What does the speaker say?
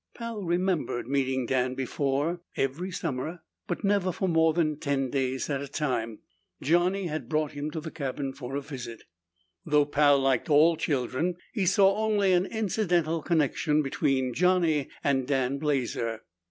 Pal remembered meeting Dan before. Every summer, but never for more than ten days at a time, Johnny had brought him to the cabin for a visit. Though Pal liked all children, he saw only an incidental connection between Johnny and Dan Blazer.